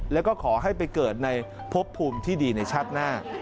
แล้วก็ขอให้ไปเกิดในพบภูมิที่ดีในชาติหน้า